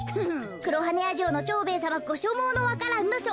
黒羽屋城の蝶兵衛さまごしょもうの「わか蘭のしょ」。